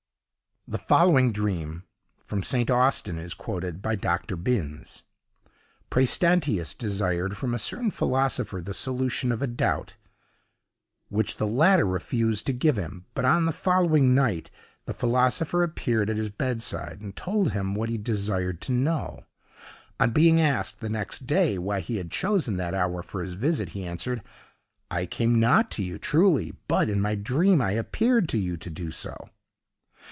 The following dream, from St. Austin, is quoted by Dr. Binns: Præstantius desired from a certain philosopher the solution of a doubt, which the latter refused to give him; but, on the following night, the philosopher appeared at his bedside and told him what he desired to know. On being asked, the next day, why he had chosen that hour for his visit, he answered: 'I came not to you truly, but in my dream I appeared to you to do so.